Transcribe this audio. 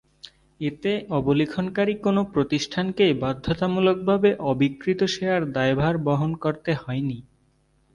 এতে অবলিখনকারী কোনো প্রতিষ্ঠানকেই বাধ্যতামূলকভাবে অবিক্রিত শেয়ার দায়ভার বহন করতে হয়নি।